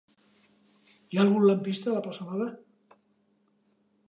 Hi ha algun lampista a la plaça Nova?